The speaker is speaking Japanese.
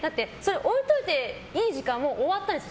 置いておいていい時間は終わったんですよ。